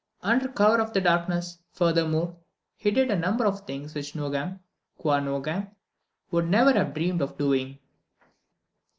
Under cover of the darkness, furthermore, he did a number of things which Nogam, qua Nogam, would never have dreamed of doing.